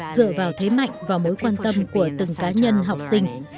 dựa vào thế mạnh và mối quan tâm của từng cá nhân học sinh